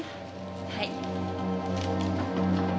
はい。